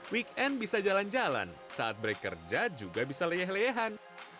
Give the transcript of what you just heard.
weekend bisa jalan jalan saat break kerja juga bisa leyeh leyehan